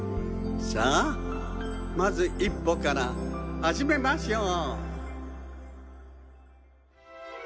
さあまず一歩からはじめましょう。